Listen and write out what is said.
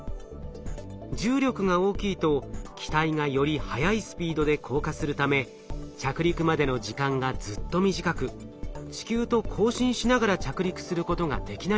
重力が大きいと機体がより速いスピードで降下するため着陸までの時間がずっと短く地球と交信しながら着陸することができないんです。